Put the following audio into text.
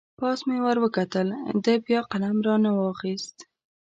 پاس مې ور وکتل، ده بیا قلم را نه واخست.